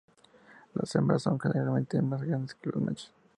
Las hembras son generalmente más grandes que los machos.